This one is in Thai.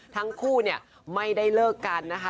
ทั้งคู่เนี่ยไม่ได้เลิกกันนะคะ